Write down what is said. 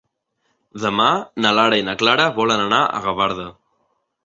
Demà na Lara i na Clara volen anar a Gavarda.